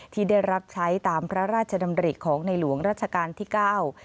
ที่ได้รับใช้ตามพระราชดำริของในหลวงรัชกาลที่เก้า